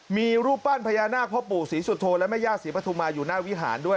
มีรูปปั้นพญานาคพ่อปู่ศรีสุโธและแม่ย่าศรีปฐุมาอยู่หน้าวิหารด้วย